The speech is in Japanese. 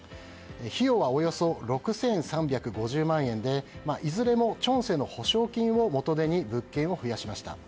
費用はおよそ６３５０万円でいずれもチョンセの保証金を元手に物件を増やしました。